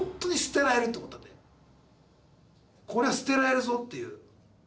これ捨てられるぞっていう。